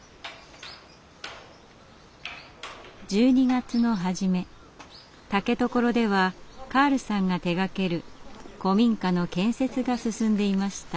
１２月の初め竹所ではカールさんが手がける古民家の建設が進んでいました。